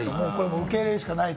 受け入れるしかない。